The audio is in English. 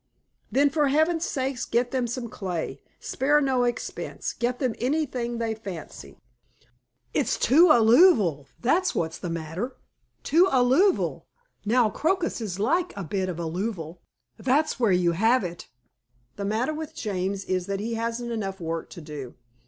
"Then for heaven's sake get them some clay. Spare no expense. Get them anything they fancy." "It's too alloovial that's what's the matter. Too alloovial. Now crocuses like a bit of alloovial. That's where you have it." The matter with James is that he hasn't enough work to do.